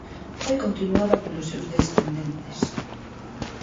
Foi continuada polos seus descendentes.